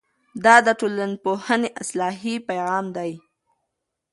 دا د ټولنپوهنې اصلي پیغام دی.